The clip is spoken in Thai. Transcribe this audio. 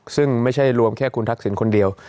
ซึ่งไม่ใช่รวมแค่คุณทักษิณคนเดียว